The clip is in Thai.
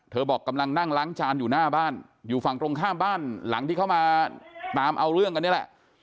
บอกกำลังนั่งล้างจานอยู่หน้าบ้านอยู่ฝั่งตรงข้ามบ้านหลังที่เขามาตามเอาเรื่องกันนี่แหละ